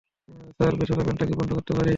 Sir, বেসুরা গানটা কি বন্ধ করতে পারি?